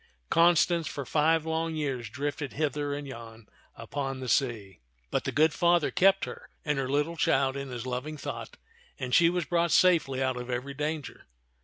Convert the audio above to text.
Constance for five long years drifted hither and yon upon the sea ; but the good Father kept her and her little child in his loving thought, and she was brought safely out of every danger.